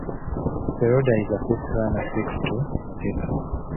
The rudder is a fifth runner fixed to a tiller.